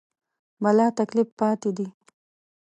بلاتکلیف پاتې دي.